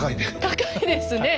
高いですね。